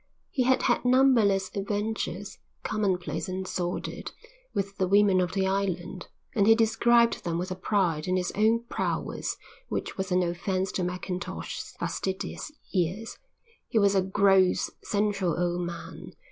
He had had numberless adventures, commonplace and sordid, with the women of the island and he described them with a pride in his own prowess which was an offence to Mackintosh's fastidious ears. He was a gross, sensual old man.